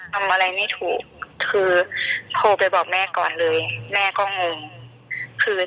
ตอนเพิ่งเห็นรูปคลังว่างงไปเลยทำตรงจุ๊กไม่ถูก